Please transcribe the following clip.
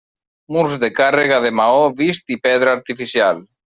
Murs de càrrega de maó vist i pedra artificial.